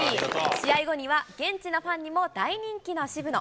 試合後には、現地のファンにも大人気の渋野。